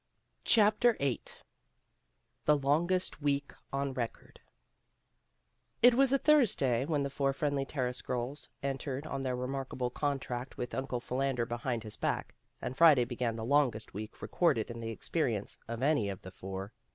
CHAPTER VIII THE LONGEST WEEK ON RECORD IT was a Thursday when the four Friendly Terrace girls entered on their remarkable con tract with Uncle Philander Behind His Back, and Friday began the longest week recorded in the experiences of any of the four.